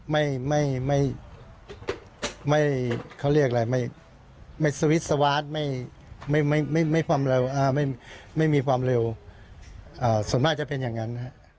ไม่สวิสวาสไม่มีความเร็วส่วนมากจะเป็นอย่างนั้น